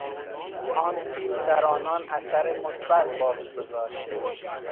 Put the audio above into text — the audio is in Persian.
آن فیلم در آنان اثر مثبت باقی گذاشت.